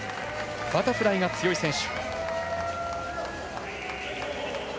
バタフライが強い選手。